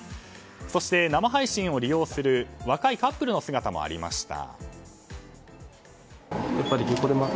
そして、生配信を利用する若いカップルの姿もありました。